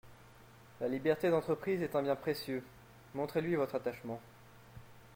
La liberté d’entreprise est un bien précieux : montrez-lui votre attachement.